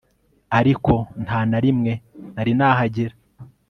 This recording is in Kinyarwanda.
ariko ntanarimwe nari nahagera